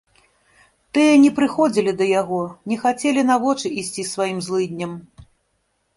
Тыя не прыходзілі да яго, не хацелі на вочы ісці сваім злыдням.